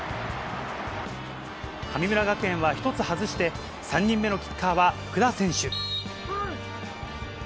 神村学園は１つ外して、３人目のキッカーは福田選手。